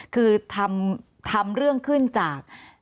คือทำเรื่องขึ้นจาก